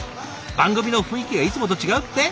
番組の雰囲気がいつもと違うって？